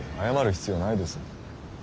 謝る必要ないです。